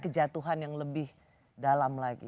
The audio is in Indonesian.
kejatuhan yang lebih dalam lagi